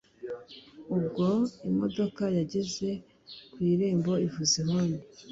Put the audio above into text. ubwo imodoka yageze ku irembo ivuza ihoni